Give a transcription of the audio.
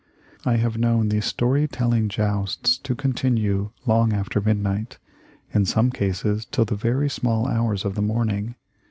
I have known these story telling jousts to continue long after midnight — in some cases till the very small hours of the morning.